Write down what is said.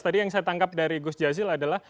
tadi yang saya tangkap dari gus jazil adalah